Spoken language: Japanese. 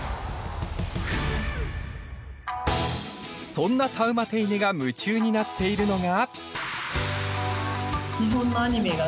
そんなタウマテイネが夢中になっているのが。